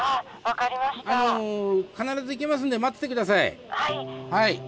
あの必ず行きますんで待ってて下さい。